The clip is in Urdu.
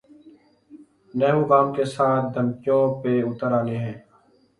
نیب حکام کے ساتھ دھمکیوں پہ اتر آئے ہیں۔